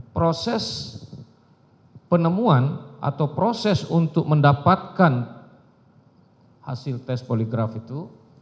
proses penemuan atau proses untuk mendapatkan hasil tes poligraf itu